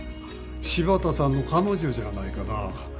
柴田さんの彼女じゃないかな。